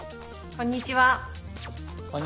こんにちは。